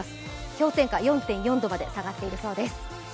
氷点下４．４度まで下がっているそうです。